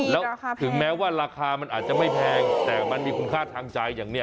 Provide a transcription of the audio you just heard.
แล้วถึงแม้ว่าราคามันอาจจะไม่แพงแต่มันมีคุณค่าทางใจอย่างนี้